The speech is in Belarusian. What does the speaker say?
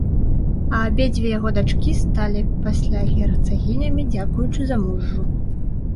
А абедзве яго дачкі сталі пасля герцагінямі дзякуючы замужжу.